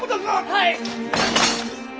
はい！